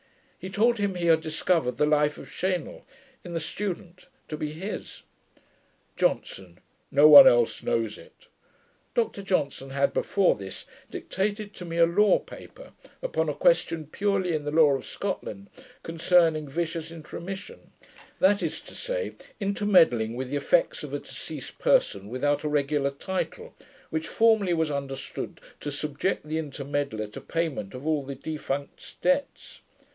He told him, he had discovered the Life of Cheynel, in the Student, to be his. JOHNSON. 'No one else knows it.' Dr Johnson had, before this, dictated to me a law paper, upon a question purely in the law of Scotland, concerning 'vicious intromission', that is to say, intermeddling with the effects of a deceased person, without a regular title; which formerly was understood to subject the intermeddler to payment of all the defunct's debts.